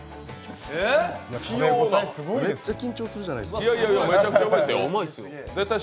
めっちゃ緊張するじゃないですか。